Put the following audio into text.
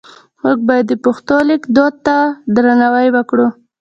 موږ باید د پښتو لیک دود ته درناوی وکړو.